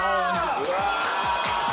うわ。